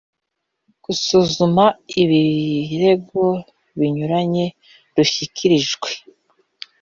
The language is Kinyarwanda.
Gusuzuma Ibirego Binyuranye Rushyikirijwe